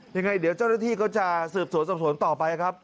ยังไงเดี๋ยวเจ้าหน้าที่เขาจะเสิร์ฟสวนต่อไปครับ